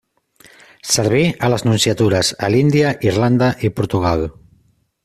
Serví a les nunciatures a l'Índia, Irlanda i Portugal.